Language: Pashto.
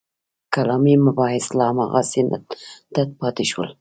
کلامي مباحث لا هماغسې تت پاتې شول.